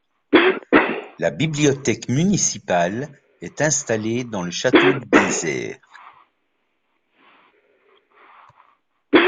La bibliothèque municipale est installée dans le château du Désert.